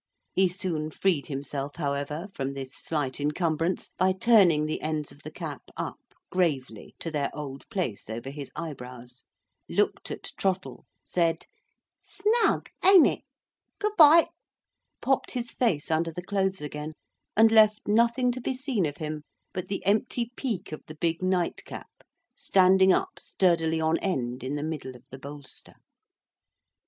He soon freed himself, however, from this slight encumbrance by turning the ends of the cap up gravely to their old place over his eyebrows—looked at Trottle—said, "Snug, ain't it? Good bye!"—popped his face under the clothes again—and left nothing to be seen of him but the empty peak of the big nightcap standing up sturdily on end in the middle of the bolster.